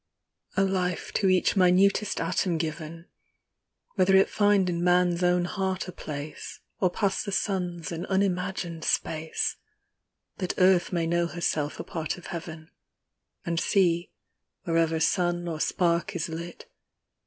A life to each minutest atom given â Whether it find in Man's own heart a place, Or past the suns, in unimagined space â That Earth may know herself a part of Heaven, And see, wherever sun or spark is lit.